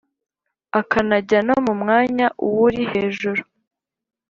akanajya no mu mwanya uwuri hejuru